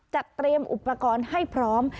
เตรียมอุปกรณ์ให้พร้อม